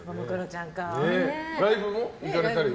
ライブも行かれたり？